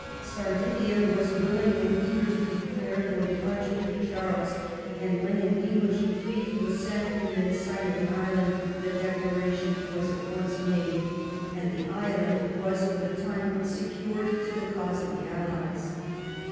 Sardinia was willing and eager to declare for the Archduke Charles, and when an English fleet was sent within sight of the island, the declaration was at once made, and the island was for the time secured to the cause of the Allies.